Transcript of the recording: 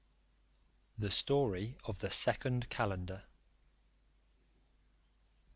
The Story of the Second Calender.